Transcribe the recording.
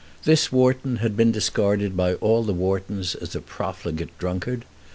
This Wharton had been discarded by all the Whartons as a profligate drunkard.